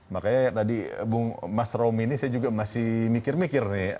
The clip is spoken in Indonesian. makanya tadi mas romi ini saya juga masih mikir mikir nih